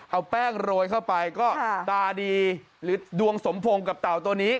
เอาแป้งโรยเข้าไปก็ตาดีหรือดวงสมพงษ์กับเต่าตัวนี้